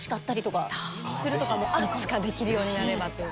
いつかできるようになればと。